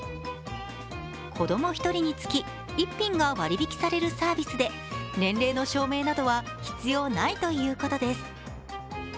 子供１人につき１品が割引されるサービスで年齢の証明などは必要ないということです。